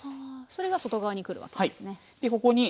それが外側にくるわけですね。